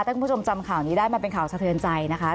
ถ้าคุณผู้ชมจำข่าวนี้ได้มันเป็นข่าวสะเทือนใจนะคะ